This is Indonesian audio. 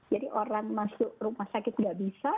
jadi orang masuk rumah sakit tidak bisa